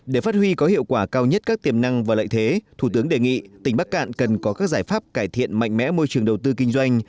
để phát huy có hiệu quả cao nhất các tiềm năng và lợi thế thủ tướng đề nghị tỉnh bắc cạn cần có các giải pháp cải thiện mạnh mẽ môi trường đầu tư kinh doanh